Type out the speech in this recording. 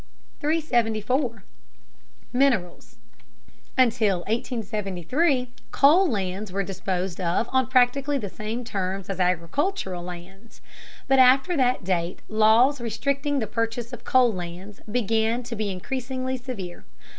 374. MINERALS. Until 1873 coal lands were disposed of on practically the same terms as agricultural lands. But after that date laws restricting the purchase of coal lands began to be increasingly severe.